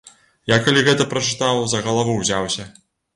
Я калі гэта прачытаў, за галаву ўзяўся.